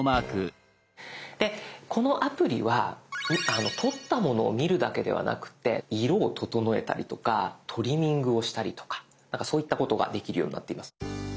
でこのアプリは撮ったものを見るだけではなくて色を整えたりとかトリミングをしたりとかそういったことができるようになっています。